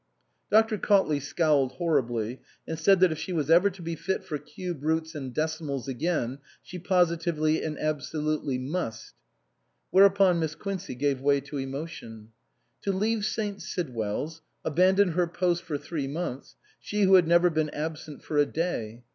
Dr. Cautley scowled horribly and said that if she was ever to be fit for cube root and decimals again, she positively and absolutely must. Whereupon Miss Quincey gave way to emotion. To leave St. Sidwell's, abandon her post for three months, she who had never been absent for a day